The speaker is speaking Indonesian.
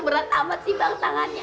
berat amat sih bang tangannya